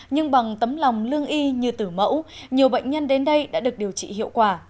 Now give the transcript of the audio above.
nhưng bằng tấm lòng lương y như tử mẫu nhiều bệnh nhân đến đây đã được điều trị hiệu quả